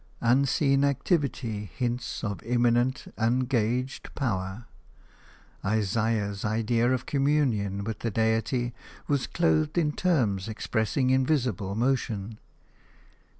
Unseen activity hints of imminent, ungauged power. Isaiah's idea of communion with the Deity was clothed in terms expressing invisible motion.